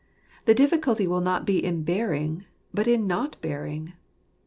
The difficulty will not be in bearing, but in not bearing.